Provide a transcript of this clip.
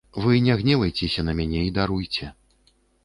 Вы не гневайцеся на мяне і даруйце.